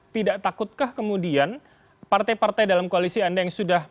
tidak takutkah kemudian partai partai dalam koalisi anda yang sudah